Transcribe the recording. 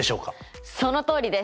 そのとおりです。